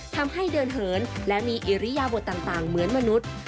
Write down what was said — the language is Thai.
ทำให้เดินเหินและมีอิริยบทต่างเหมือนมนุษย์